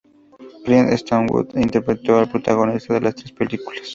Clint Eastwood interpretó al protagonista de las tres películas.